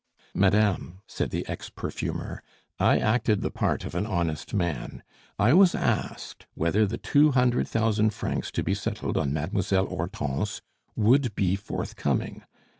"Madame," said the ex perfumer, "I acted the part of an honest man. I was asked whether the two hundred thousand francs to be settled on Mademoiselle Hortense would be forthcoming.